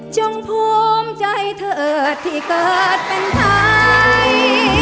ภูมิใจเธอที่เกิดเป็นไทย